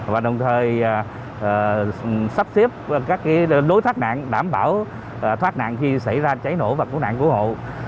và đồng thời sắp xếp các đối thoát nạn đảm bảo thoát nạn khi xảy ra cháy nổ và cứu nạn cứu hộ